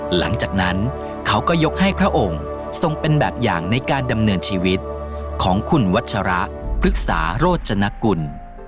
หลังจากนั้นเขาก็ยกให้พระองค์ทรงเป็นแบบอย่างในการดำเนินชีวิตของคุณวัชระพฤกษาโรจนกุล